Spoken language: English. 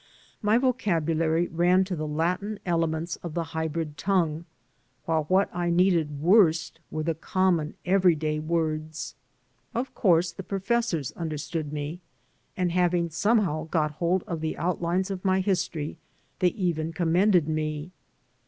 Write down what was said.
My vocabulary ran to the Latin elements of the hybrid tongue, while what I needed worst were the common, every day words. Of course, the professors understood me, and having some how got hold of the outlines of my history, they even commended me.